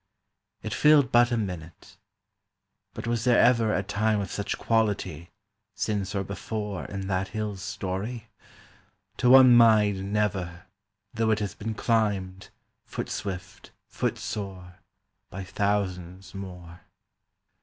It filled but a minute. But was there ever A time of such quality, since or before, In that hill's story? To one mind never, Though it has been climbed, foot swift, foot sore, By thousands more.